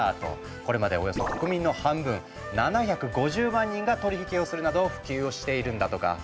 これまでおよそ国民の半分７５０万人が取り引きをするなど普及をしているんだとか。